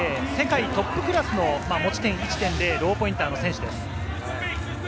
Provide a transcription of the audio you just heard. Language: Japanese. この人は持ち点が１．０、世界トップクラスの持ち点１．０、ローポインターの選手です。